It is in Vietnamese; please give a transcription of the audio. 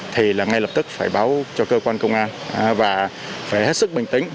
thì ngay lập tức phải báo cho cơ quan công an và phải hết sức bình tĩnh